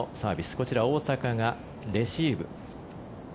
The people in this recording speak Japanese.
こちら、大坂がレシーブ。